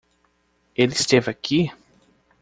Ele esteve aqui?